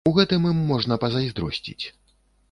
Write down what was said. У гэтым ім можна пазайздросціць.